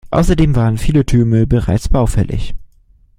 Außerdem waren viele Türme bereits baufällig.